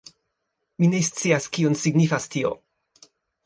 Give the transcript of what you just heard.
Mi ne scias kion signifas tio?